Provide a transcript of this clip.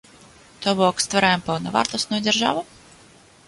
То бок, ствараем паўнавартасную дзяржаву?